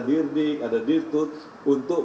dirdik ada dirtut untuk